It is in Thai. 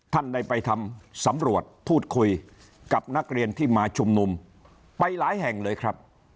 ท่านได้ไปทำสำรวจพูดคุยกับนักเรียนที่มาชุมนุมไปหลายแห่งเลยครับ